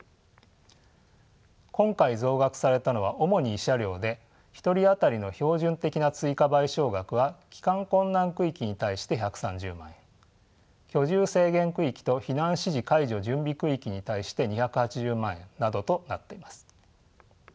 今回増額されたのは主に慰謝料で１人当たりの標準的な追加賠償額は帰還困難区域に対して１３０万円居住制限区域と避難指示解除準備区域に対して２８０万円などとなっています。